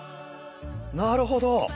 なるほど！